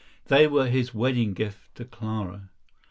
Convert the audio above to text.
They were his wedding gift to Clara.